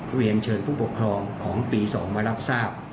เรียนเชิญผู้ปกครองของปี๒มารับทราบ